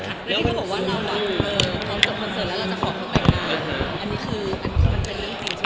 แล้วที่คุณบอกว่าเราอ่ะเออพร้อมจากคอนเซิร์ตแล้วเราจะขอบคุณแต่งงาน